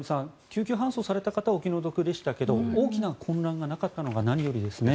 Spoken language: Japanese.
救急搬送された方はお気の毒でしたけど大きな混乱がなかったのが何よりですね。